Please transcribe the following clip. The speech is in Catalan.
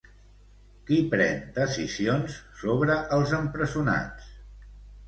Qui pren decisions sobre els empresonats?